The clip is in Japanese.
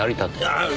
ああ。